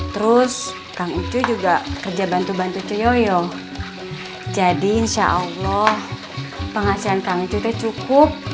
terus kang itu juga kerja bantu bantu cuyo yo jadi insyaallah penghasilan tangcutnya cukup